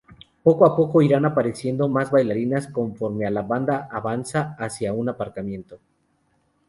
Poco a poco irán apareciendo más bailarinas conforme la banda avanza hacia un aparcamiento.